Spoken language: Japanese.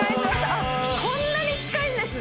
あっこんなに近いんですね。